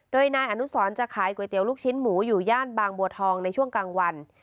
โดยนายอนุสรจะขายก๋วยเตี๋ยวลูกชิ้นหมูอยู่ย่านบางบัวทองในช่วงกลางวัน